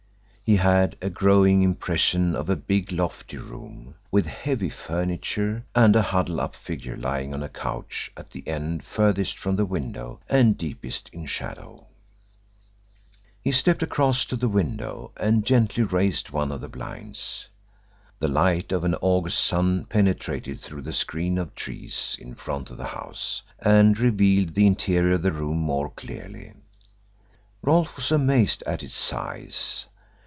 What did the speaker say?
He had a growing impression of a big lofty room, with heavy furniture, and a huddled up figure lying on a couch at the end furthest from the window and deepest in shadow. He stepped across to the window and gently raised one of the blinds. The light of an August sun penetrated through the screen of trees in front of the house and revealed the interior of the room more clearly. Rolfe was amazed at its size.